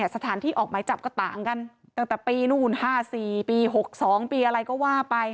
สถานที่ออกหมายจับก็ต่างกันตั้งแต่ปีนู่น๕๔ปี๖๒ปีอะไรก็ว่าไป